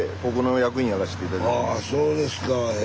あそうですか。え。